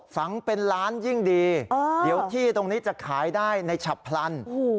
ฝังเป็นล้านสำคัญที่จะขายได้ในฉับพลัน